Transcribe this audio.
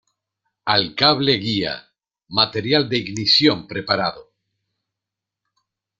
Al cable guía. Material de ignición preparado .